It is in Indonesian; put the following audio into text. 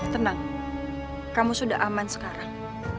tenang kamu sudah aman sekarang